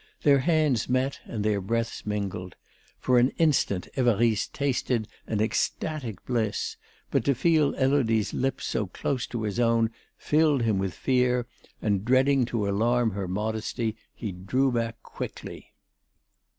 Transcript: Their hands met and their breaths mingled. For an instant Évariste tasted an ecstatic bliss, but to feel Élodie's lips so close to his own filled him with fear, and dreading to alarm her modesty, he drew back quickly.